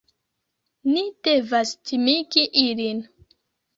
Ni devas timigi ilin